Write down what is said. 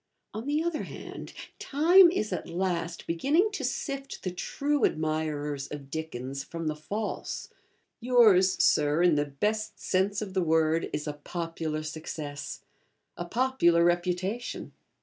On the other hand, Time is at last beginning to sift the true admirers of Dickens from the false. Yours, Sir, in the best sense of the word, is a popular success, a popular reputation.